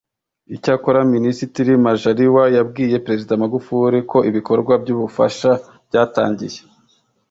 Icyakora Minisitiri Majaliwa yabwiye Perezida Magufuli ko ibikorwa by’ubufasha byatangiye